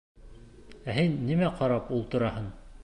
Ә һин нимә ҡарап ултыраһың?